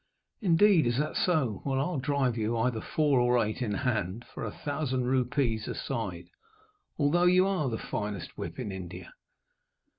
"Indeed! Is that so? Well, I'll drive you either four, or eight, in hand, for a thousand rupees a side, although you are the finest whip in India."